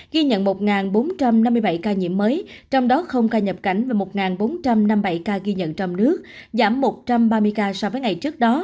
ghi nhận một bốn trăm năm mươi bảy ca nhiễm mới trong đó không ca nhập cảnh và một bốn trăm năm mươi bảy ca ghi nhận trong nước giảm một trăm ba mươi ca so với ngày trước đó